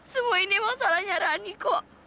semua ini emang salahnya rani kok